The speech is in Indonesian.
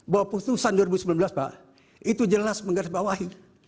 bahwa putusan dua ribu sembilan belas pak itu jelas menggarisbawahi